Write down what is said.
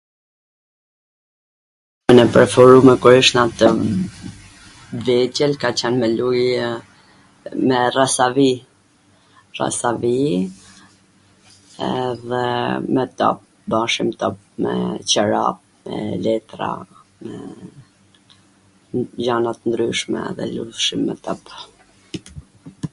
loja e preferume kur ishna tw vegjwl ka qen me lujw me rasavi, rasavi edhe me top, bajshim top me qera, me letra, gjana t ndryshme, edhe lujshim me topa